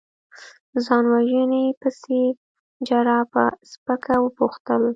ځان وژنې پسې؟ جراح په سپکه وپوښتل.